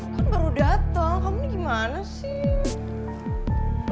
kan baru datang kamu gimana sih